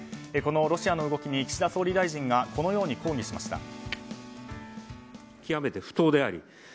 このロシアの動きに岸田総理大臣がこのように抗議しました。